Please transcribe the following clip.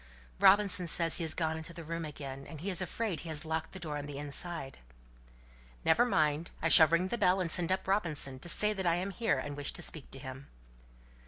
"Robinson says he has gone into the room again, and he is afraid he has locked the door on the inside." "Never mind. I shall ring the bell, and send up Robinson to say that I am here, and wish to speak to him."